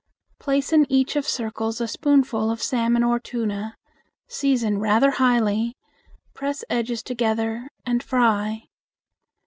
Place in each of circles a spoonful of salmon or tuna; season rather highly, press edges together, and fry.